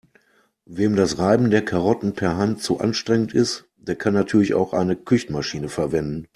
Wem das Reiben der Karotten per Hand zu anstrengend ist, der kann natürlich auch eine Küchenmaschine verwenden.